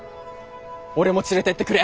俺も連れてってくれ。